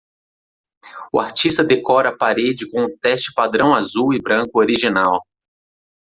O artista decora a parede com um teste padrão azul e branco original.